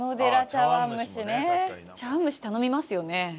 茶碗蒸し頼みますよね。